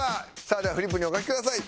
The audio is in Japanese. さあではフリップにお書きください。